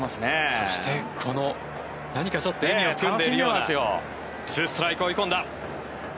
そしてこの何かちょっと笑みを含んでいるような２ストライク、追い込んだ。